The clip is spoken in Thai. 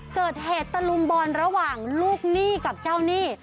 เกิดแห่ตลุมบอนระหว่างลูกนี่กับเจ้านี่